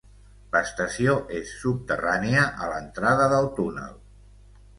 L'estació és subterrània, a l'entrada del túnel.